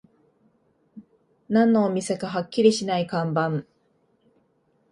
何のお店かはっきりしない看板